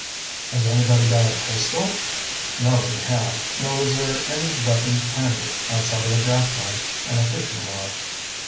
"Has anybody got a pistol?" Nobody had, nor was there any weapon handy outside of a jackknife and a fishing rod.